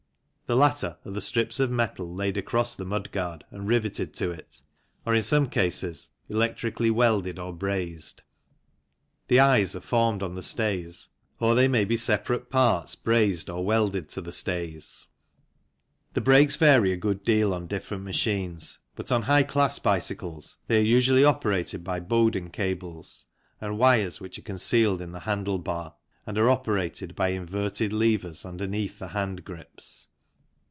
The latter are the strips of metal laid across the mudguard and riveted to it, or, in some cases, electrically welded or brazed. The eyes are formed on the stays or they may be separate parts brazed or welded to the stays. The brakes vary a good deal on different machines, but on high class bicycles they are usually operated by Bowden cables and wires which are concealed in the handle bar and are operated by inverted levers underneath the hand grips.